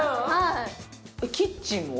キッチンも？